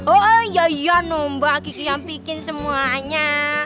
oh iya iya nomba kiki yang bikin semuanya